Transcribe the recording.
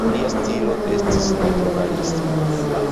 Lia stilo estis naturalismo.